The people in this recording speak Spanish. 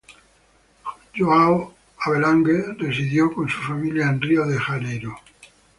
João Havelange residió con su familia en Río de Janeiro.